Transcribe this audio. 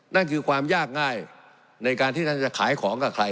นั่นคือความยากง่ายในการที่ท่านจะขายของกับใคร